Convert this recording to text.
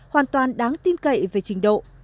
hoàn toàn đáng tin cậy về trình độ